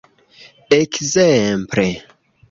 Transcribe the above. Ekzemple?